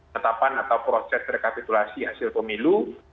netapan atau proses rekapitulasi hasil pemilu